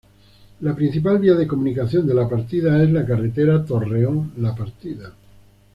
La principal vía de comunicación de La Partida es de la Carretera Torreón-La Partida.